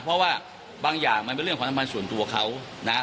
เพราะว่าบางอย่างมันเป็นเรื่องของสัมพันธ์ส่วนตัวเขานะฮะ